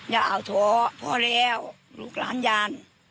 ยาเอาถ่อพอแล้วลูกร้านยาน